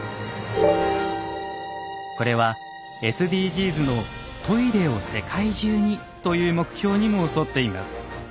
これはＳＤＧｓの「トイレを世界中に」という目標にも沿っています。